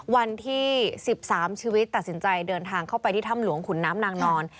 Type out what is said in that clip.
วันที่๑๓ชีวิตตัดสินใจเดินทางเข้าไปที่ถ้ำหลวงขุนน้ำนางนอน